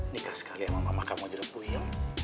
nikah sekali sama mama kamu udah puyeng